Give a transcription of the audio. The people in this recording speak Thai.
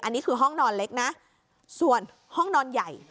อันนี้คือห้องนอนเล็กนะส่วนห้องนอนใหญ่